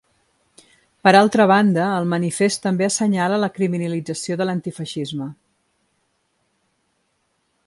Per altra banda, el manifest també assenyala la criminalització de l’antifeixisme.